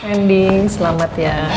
handing selamat ya